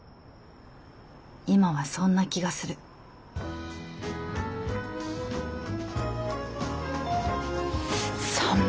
今はそんな気がするさむ。